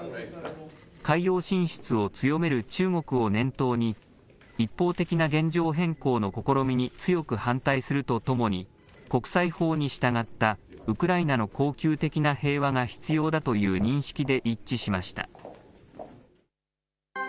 海洋進出を強める中国を念頭に、一方的な現状変更の試みに強く反対するとともに、国際法に従ったウクライナの恒久的な平和が必要だという認識で一致しました。